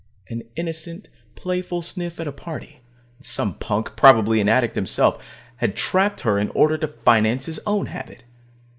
An innocent, playful sniff at a party, and some punk, probably an addict himself, had trapped her in order to finance his own habit.